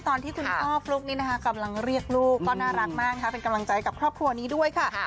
ตอนที่คุณพ่อฟลุ๊กนี้นะคะกำลังเรียกลูกก็น่ารักมากนะคะเป็นกำลังใจกับครอบครัวนี้ด้วยค่ะ